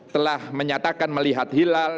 telah menyatakan melihat hilal